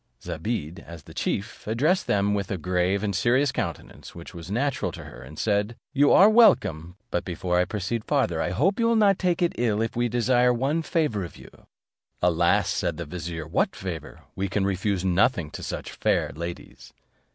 Zobeide, as the chief, addressed them with a grave and serious countenance, which was natural to her, and said, "You are welcome. But before I proceed farther, I hope you will not take it ill if we desire one favour of you." "Alas!" said the vizier, "what favour? We can refuse nothing to such fair ladies."